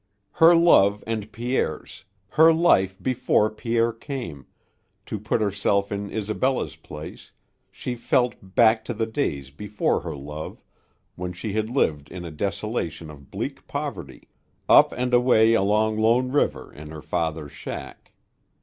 Her love and Pierre's her life before Pierre came to put herself in Isabella's place, she felt back to the days before her love, when she had lived in a desolation of bleak poverty, up and away along Lone River in her father's shack.